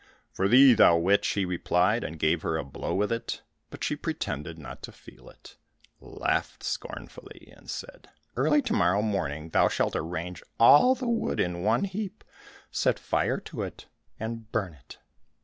"For thee, thou witch," he replied, and gave her a blow with it. But she pretended not to feel it, laughed scornfully, and said, "Early to morrow morning thou shalt arrange all the wood in one heap, set fire to it, and burn it."